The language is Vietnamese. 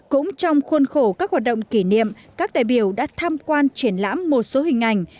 cũng trong khuôn khổ các hoạt động kỷ niệm các đại biểu đã tham quan triển lãm một số hình ảnh